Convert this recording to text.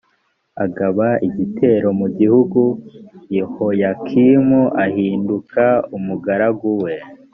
agaba igitero mu gihugu yehoyakimu ahinduka umugaragu we